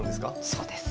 そうです。